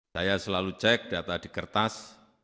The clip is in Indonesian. saya selalu cek data di kertas